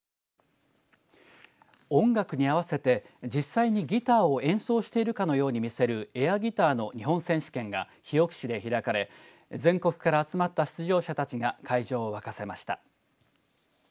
音楽に合わせて実際にギターを演奏しているかのように見せるエアギターの日本選手権が日置市で開かれ全国から集まった出場者たちが会場を沸かせました。